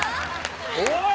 おい！